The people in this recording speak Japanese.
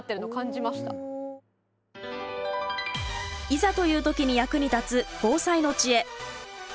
いざという時に役に立つ防災の知恵。